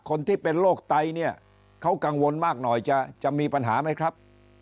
คนที่เป็นโรคไตเนี่ยเขากังวลมากหน่อยจะมีปัญหาไหมครับ